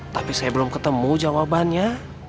tapi saya belum ketemu jawabannya